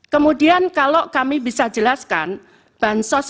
kemudian kalau kami bisa jelaskan bansos